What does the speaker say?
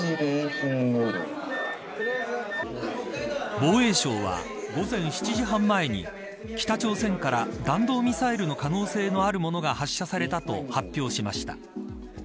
防衛省は午前７時半前に北朝鮮から弾道ミサイルの可能性のあるものが発射されたと発表しました。